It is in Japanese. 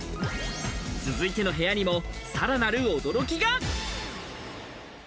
続いての部屋にもさらなる驚きが。